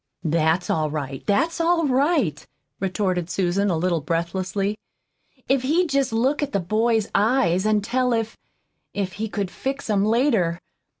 "That's all right that's all right," retorted Susan, a little breathlessly. "If he'd jest look at the boy's eyes an' tell if if he could fix 'em later.